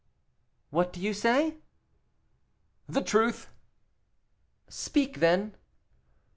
"What do you say?" "The truth." "Speak, then."